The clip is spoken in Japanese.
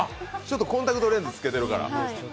コンタクトレンズつけてるから？